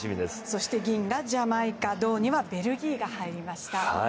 そして銀がジャマイカ銅にはベルギーが入りました。